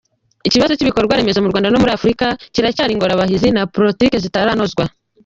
Ikibazo cy’ibikorwaremezo mu Rwanda no muri Afurika kiracyari ingorabahizi na politiki zitaranozwa.